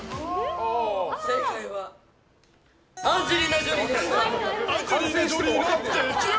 正解はアンジェリーナ・ジョリーでした。